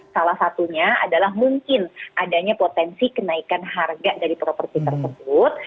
salah satunya adalah mungkin adanya potensi kenaikan harga dari properti tersebut